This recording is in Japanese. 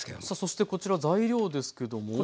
さあそしてこちら材料ですけども。